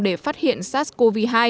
để phát hiện sars cov hai